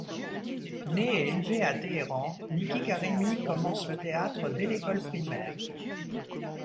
Née et élevée à Téhéran, Niki Karimi commence le théâtre dès l'école primaire.